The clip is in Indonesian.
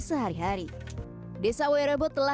sehingga mereka bisa menggunakan kain untuk membuatnya lebih mudah